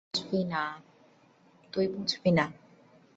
তুই বুঝবি না।